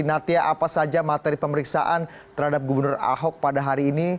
natya apa saja materi pemeriksaan terhadap gubernur ahok pada hari ini